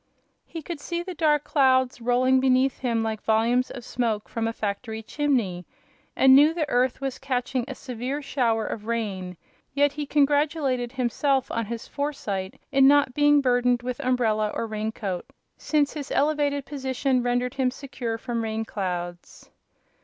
He could see the dark clouds rolling beneath him like volumes of smoke from a factory chimney, and knew the earth was catching a severe shower of rain; yet he congratulated himself on his foresight in not being burdened with umbrella or raincoat, since his elevated position rendered him secure from rain clouds.